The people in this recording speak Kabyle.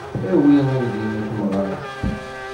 Awi udi i tamɣart.